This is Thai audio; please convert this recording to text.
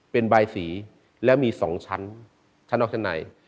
เป็นใบสีแล้วมีสองชั้นชั้นออกชั้นใน